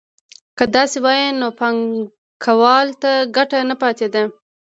که داسې وای نو بانکوال ته ګټه نه پاتېده